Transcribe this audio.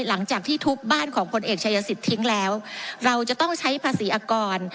หลังจากที่ทุบบ้านของพลเอกชายสิทธิทิ้งแล้วเราจะต้องใช้ภาษีอากร